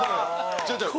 違う違う。